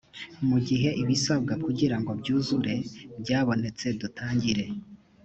mu gihe ibisabwa kugirango byuzure bybonetse dutangire